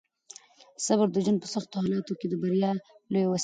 صبر د ژوند په سختو حالاتو کې د بریا لویه وسیله ده.